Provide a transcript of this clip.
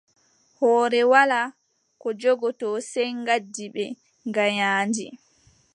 Hoore walaa ko jogotoo, sey ngaandi bee nganyaandi.